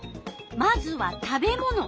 まずは「食べもの」。